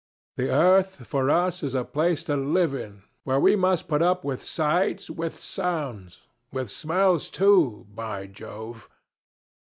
The earth for us is a place to live in, where we must put up with sights, with sounds, with smells too, by Jove!